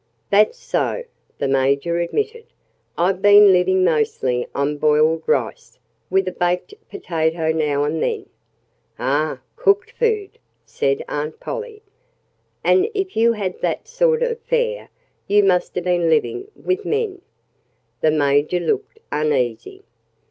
"That's so," the Major admitted. "I've been living mostly on boiled rice, with a baked potato now and then." "Ah! Cooked food!" said Aunt Polly. "And if you had that sort of fare, you must have been living with men." The Major looked uneasy.